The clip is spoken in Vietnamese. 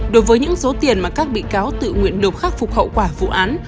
đối với những số tiền mà các bị cáo tự nguyện nộp khắc phục hậu quả vụ án